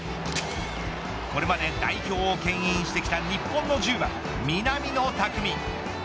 これまで代表をけん引してきた日本の１０番、南野拓実。